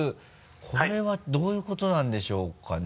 これはどういうことなんでしょうかね？